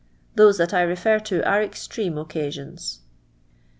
Those that I refer to are extreme occasions."